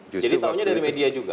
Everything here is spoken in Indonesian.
jadi tahunya dari media juga